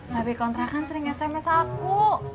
babeh kontra kan sering sms aku